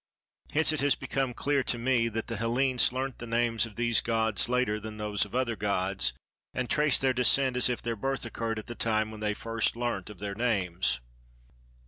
Hence it has become clear to me that the Hellenes learnt the names of these gods later than those of the other gods, and trace their descent as if their birth occurred at the time when they first learnt their names.